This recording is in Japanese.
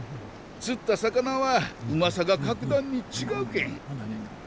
釣った魚はうまさが格段に違うけん。